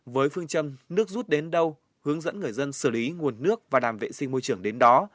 với phương châm nước rút đến đâu hướng dẫn người dân xử lý nguồn nước và đảm vệ sinh môi trường đến đó